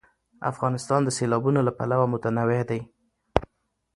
افغانستان د سیلابونه له پلوه متنوع دی.